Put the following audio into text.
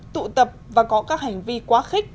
tụ tập và có các hành vi quá khích